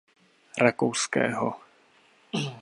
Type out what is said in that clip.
Rakouského.